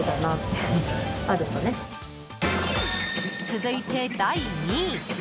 続いて第２位。